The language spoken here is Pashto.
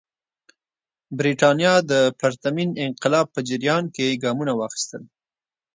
برېټانیا د پرتمین انقلاب په جریان کې ګامونه واخیستل.